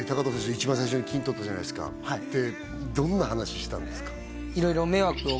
一番最初に金取ったじゃないですかではいどんな話したんですか？